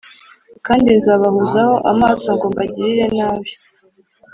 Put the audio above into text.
kandi nzabahozaho amaso ngo mbagirire nabi